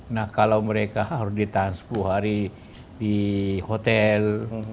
nah kalau mereka harus ditahan sepuluh hari di hotel